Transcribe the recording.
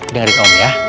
dengarin om ya